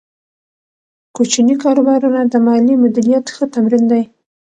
کوچني کاروبارونه د مالي مدیریت ښه تمرین دی۔